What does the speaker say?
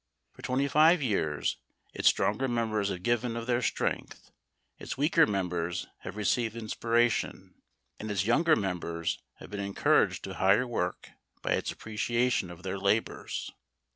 For twenty five years its stronger members have given of their strength, its weaker members have received inspiration, and its younger members have been encouraged to higher work by its appreciation of their labors.